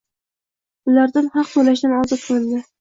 Bulardan haq toʻlashdan ozod qilindi